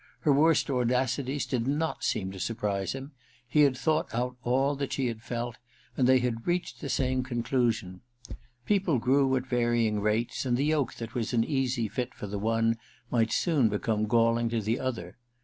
Her worst audacities did not seem to surprise him : he had thought out all that she had felt, and they had reached the same conclusion. People grew at varying rates, and the yoke that was an easy fit for the one 212 THE RECKONING ii might soon become galling to the other.